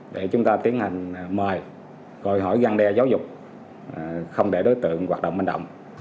để chúng ta tiến hành mời gọi hỏi găng đe giáo dục không để đối tượng hoạt động manh động